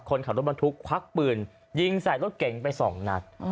คนขับรถบรรทุกควักปืนยิงใส่รถเก๋งไปสองนัด